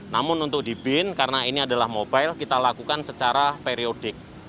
namun untuk di bin karena ini adalah mobile kita lakukan secara periodik